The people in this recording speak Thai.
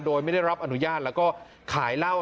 โดยไม่ได้รับอนุญาตแล้วก็ขายเหล้า